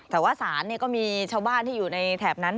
แต่ว่าศาลก็มีชาวบ้านที่อยู่ในแถบนั้น